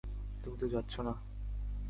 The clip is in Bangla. তুমিই তো যাচ্ছো না।